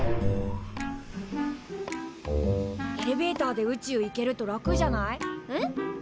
エレベーターで宇宙行けると楽じゃない？えっ？